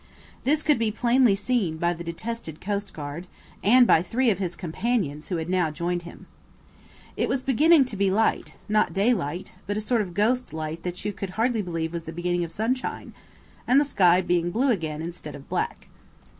This could be plainly seen by the detested coastguard, and by three of his companions who had now joined him. It was beginning to be light, not daylight, but a sort of ghost light that you could hardly believe was the beginning of sunshine, and the sky being blue again instead of black.